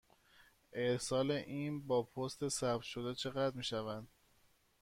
ارسال این با پست ثبت شده چقدر می شود؟